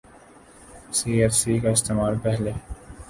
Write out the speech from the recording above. سی F C کا استعمال پہلے